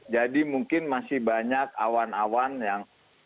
jadi mungkin masih banyak awan awan yang